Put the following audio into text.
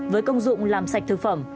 với công dụng làm sạch thực phẩm